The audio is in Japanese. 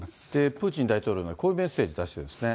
プーチン大統領、こういうメッセージ出しているんですね。